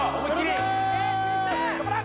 頑張れ！